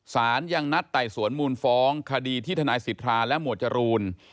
สารยังนัดไต่สวนมูลฟ้องคดีที่ทนายสิทธาและหมวดจรูน